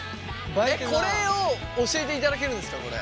これを教えていただけるんですかこれ。